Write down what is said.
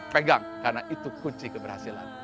pegang karena itu kunci keberhasilan